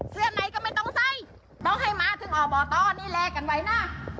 เสื้อในก็ไม่ต้องใส่ต้องให้มาถึงอบตนี่แลกกันไว้นะ